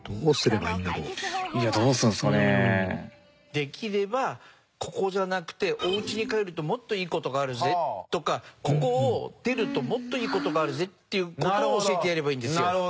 できればここじゃなくてお家に帰るともっといい事があるぜとかここを出るともっといい事があるぜっていう事を教えてやればいいんですよ。